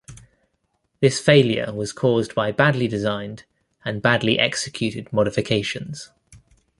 This failure was caused by badly designed and badly executed modifications.